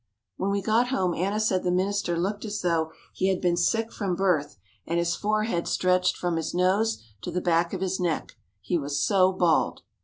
When we got home Anna said the minister looked as though he had been sick from birth and his forehead stretched from his nose to the back of his neck, he was so bald.